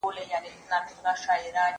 فکر د زده کوونکي له خوا کيږي،